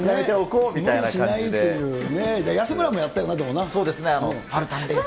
無理しないというね、安村もやったよな、そうですね。